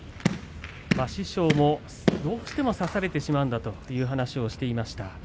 師匠もどうしても差されてしまうんだという話をしていました。